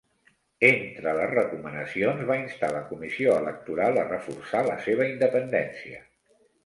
Entre les recomanacions, va instar la comissió electoral a reforçar la seva independència.